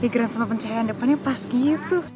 pikiran sama pencahayaan depannya pas gitu